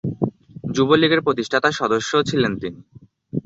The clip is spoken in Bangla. যুবলীগের প্রতিষ্ঠাতা সদস্যও ছিলেন তিনি।